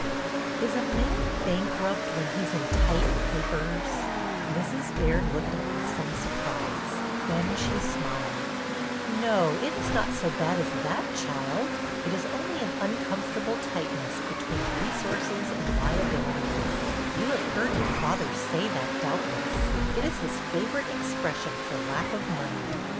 6 BETTY BAIRD'S VENTURES '' Is a man bankrupt when he 's ' in tight papers '?" Mrs. Baird looked up with some surprise; then she smiled. No, it 's not so bad as that, child. It is only an uncomfortable tightness between resources and liabilities. You have heard your father say that, doubtless. It is his favorite expression for lack of money."